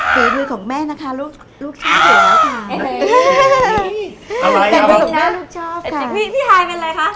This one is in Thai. เป็นเมนูของแม่นะคะลูกชั้นเดียวนะคะพี่ทายเป็นอะไรคะ